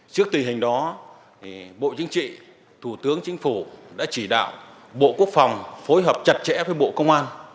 trước tình hình đó bộ chính trị thủ tướng chính phủ đã chỉ đạo bộ quốc phòng phối hợp chặt chẽ với bộ công an